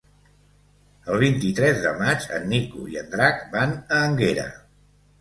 El vint-i-tres de maig en Nico i en Drac van a Énguera.